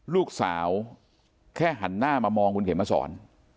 ลูกสาวแค่หันหน้ามามองคุณเข็มมาสอน